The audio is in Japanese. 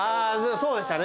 そうでしたね